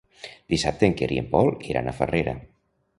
Dissabte en Quer i en Pol iran a Farrera.